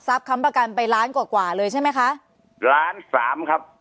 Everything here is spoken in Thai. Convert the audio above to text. ค้ำประกันไปล้านกว่ากว่าเลยใช่ไหมคะล้านสามครับ